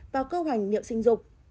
và cơ hoành niệu sinh dục